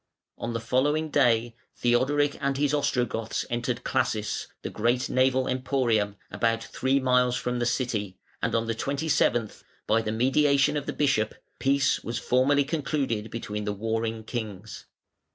On the following day Theodoric and his Ostrogoths entered Classis, the great naval emporium, about three miles from the city; and on the 27th, by the mediation of the Bishop, peace was formally concluded between the warring kings.